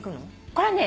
これはね